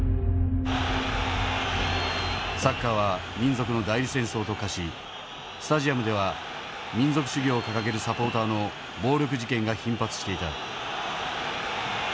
サッカーは民族の代理戦争と化しスタジアムでは民族主義を掲げるサポーターの暴力事件が頻発していた。